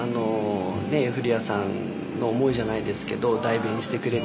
古谷さんの思いじゃないですけど代弁してくれてるって。